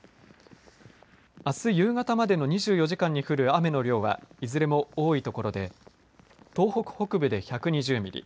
あす夕方までの２４時間に降る雨の量はいずれも多い所で東北北部で１２０ミリ